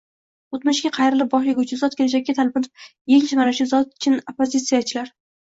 O’tmishga qayrilib bosh eguvchi zot, kelajakka talpinib yeng shimaruvchi zot — chin oppozitsiyachidir!